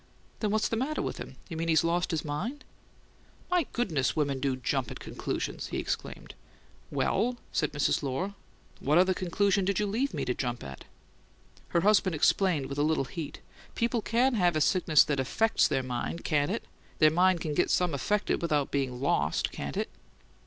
"Then what's the matter with him? You mean he's lost his mind?" "My goodness, but women do jump at conclusions!" he exclaimed. "Well," said Mrs. Lohr, "what other conclusion did you leave me to jump at?" Her husband explained with a little heat: "People can have a sickness that AFFECTS their mind, can't they? Their mind can get some affected without bein' LOST, can't it?"